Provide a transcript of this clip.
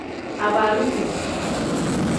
Abaaluti.